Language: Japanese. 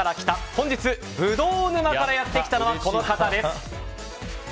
本日ブドウ沼からやってきたのはこの方です！